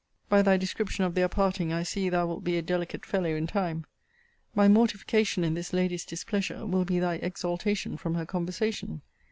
By thy description of their parting, I see thou wilt be a delicate fellow in time. My mortification in this lady's displeasure, will be thy exaltation from her conversation.